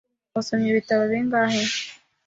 Wasomye ibitabo bingahe?